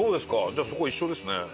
じゃあそこ一緒ですね。